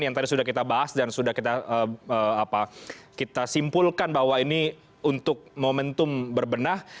yang tadi sudah kita bahas dan sudah kita simpulkan bahwa ini untuk momentum berbenah